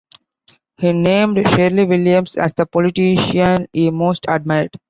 He named Shirley Williams as the politician he most admired.